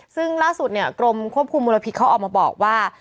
ซึ่งล่าสุดเนี่ยกรมควบคุมมลพิษเขาออกมาบอกว่า